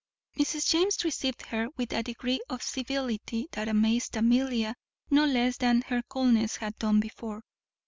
Mrs. James received her with a degree of civility that amazed Amelia no less than her coldness had done before.